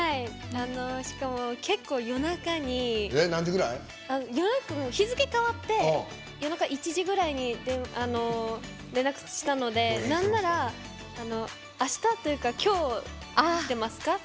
しかも結構、夜中に日付変わって、夜中の１時ぐらいに連絡をしたのでなんならあしたというか今日。